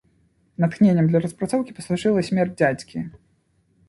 Натхненнем для распрацоўкі паслужыла смерць дзядзькі.